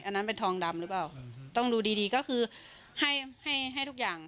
อันนั้นเป็นทองดำหรือเปล่าต้องดูดีดีก็คือให้ให้ทุกอย่าง